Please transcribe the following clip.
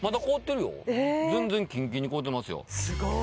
全然キンキンに凍ってますよ